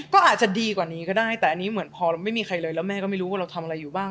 ก็อาจจะดีกว่านี้ก็ได้แต่อันนี้เหมือนพอเราไม่มีใครเลยแล้วแม่ก็ไม่รู้ว่าเราทำอะไรอยู่บ้าง